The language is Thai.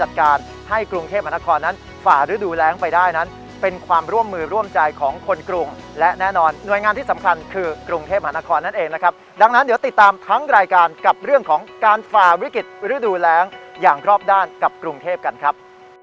ดังนั้นเดี๋ยวติดตามทั้งรายการกับเรื่องของการฝ่าวิกฤตฤดูแรงอย่างรอบด้านกับกรุงเทพกันครับ